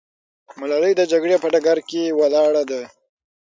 ملالۍ د جګړې په ډګر کې ولاړه ده.